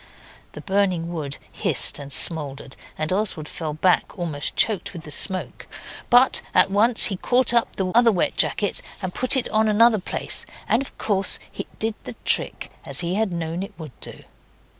The burning wood hissed and smouldered, and Oswald fell back, almost choked with the smoke. But at once he caught up the other wet jacket and put it on another place, and of course it did the trick as he had known it would do.